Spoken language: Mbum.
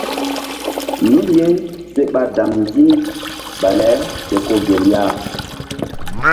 Nun ye se ɓa damndi̧ bale ke ko gel ya.